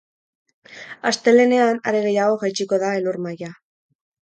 Astelehenean, are gehiago jaitsiko da elur-maila.